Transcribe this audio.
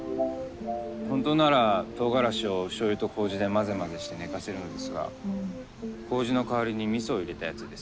本当ならとうがらしをおしょうゆと麹で混ぜ混ぜして寝かせるんですが麹の代わりにみそを入れたやつです。